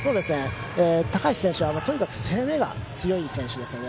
高橋選手はとにかく攻めが強い選手です。